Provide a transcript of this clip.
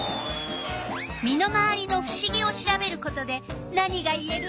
身の回りのふしぎを調べることで何がいえる？